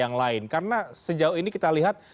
yang lain karena sejauh ini kita lihat